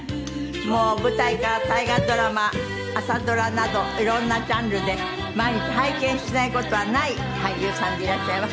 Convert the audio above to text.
もう舞台から大河ドラマ朝ドラなど色んなジャンルで毎日拝見しない事はない俳優さんでいらっしゃいます。